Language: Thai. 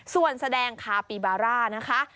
ส่วนแสดงคาปีบาร่านะคะ